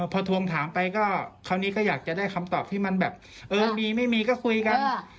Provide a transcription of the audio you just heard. พอทวงถามไปก็คราวนี้ก็อยากจะได้คำตอบที่มันแบบเออมีไม่มีก็คุยกัน